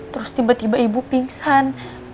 terus tiba tiba ibu pingsan